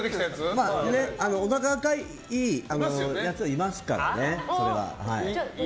おなかが赤いやつはいますからね。